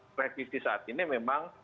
kredisi saat ini memang